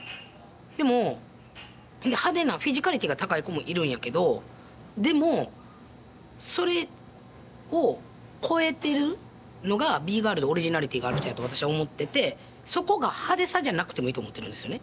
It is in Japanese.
でも派手なフィジカリティーが高い子もいるんやけどでもそれを超えてるのがＢガールでオリジナリティーがある人やと私は思っててそこが派手さじゃなくてもいいと思ってるんですよね。